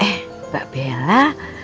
eh mbak bella